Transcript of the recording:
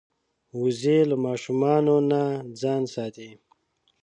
وزې له ماشومانو نه ځان ساتي